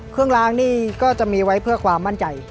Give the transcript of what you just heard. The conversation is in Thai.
เครื่องล้างนี่ก็จะมีไว้เพื่อความมั่นใจ